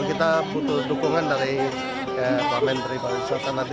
kita butuh dukungan dari menteri baru sosanade